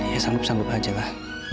ya sanggup sanggup aja lah